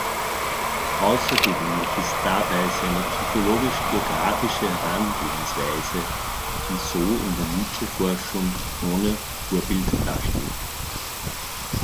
Außergewöhnlich ist dabei seine psychologisch-biografische Herangehensweise, die so in der Nietzsche-Forschung ohne Vorbild dasteht.